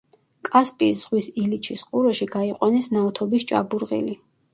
კასპიის ზღვის ილიჩის ყურეში გაიყვანეს ნავთობის ჭაბურღილი.